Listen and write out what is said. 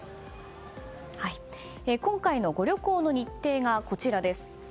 今回のご旅行の日程がこちらです。